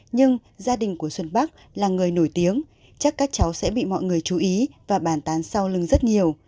nhưng gia đình của xuân bắc là người nổi tiếng chắc các cháu sẽ bị mọi người chú ý và bàn tán sau lưng rất nhiều